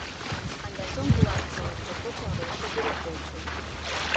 Андан соң бул акциялар жокко чыгарылышы керек болчу.